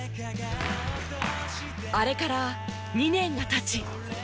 あれから２年が経ち